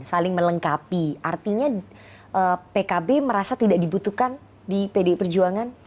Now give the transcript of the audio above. saling melengkapi artinya pkb merasa tidak dibutuhkan di pdi perjuangan